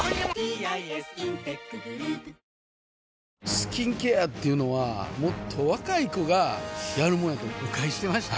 スキンケアっていうのはもっと若い子がやるもんやと誤解してました